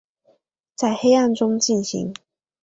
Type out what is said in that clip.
在黑暗中进行